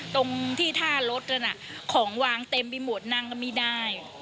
ตรงที่ท่ารถนั้นของวางเต็มไปหมดนั่งก็ไม่ได้